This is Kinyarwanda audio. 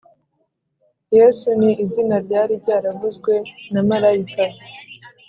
Yesu ni izina ryari ryaravuzwe na marayika